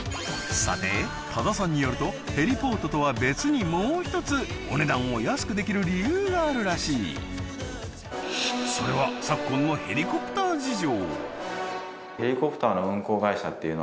さて多田さんによるとヘリポートとは別にもう一つお値段を安くできる理由があるらしいそれは昨今のヘリコプター事情